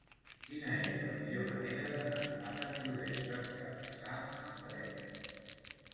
Quina és la millor manera d'anar a Sant Llorenç des Cardassar amb tren?